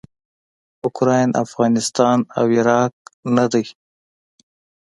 اوکراین افغانستان او عراق نه دي.